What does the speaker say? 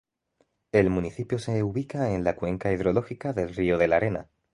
El municipio se ubica en la cuenca hidrológica del Río de la Arena.